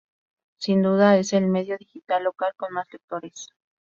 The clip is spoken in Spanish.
Sin duda es el medio digital local con más lectores.